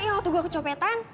yang waktu gue kecopetan